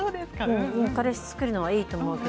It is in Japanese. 彼氏を作るのはいいと思います。